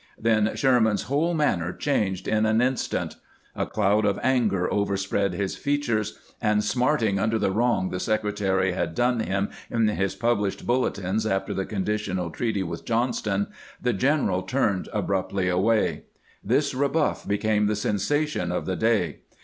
Then Sherman's whole manner changed in an instant ; a cloud of anger overspread his features, and, smarting under the wrong the Secretary had done him in his published bulletins after the conditional treaty with Johnston, the general.turned abruptly away. This rebuff became the sensation of the day.